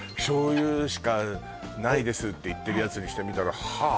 「醤油しかないです」って言ってるやつにしてみたら「はあ？」